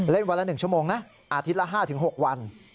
เล่นวันละ๑ชั่วโมงนะอาทิตย์ละ๕๖วัน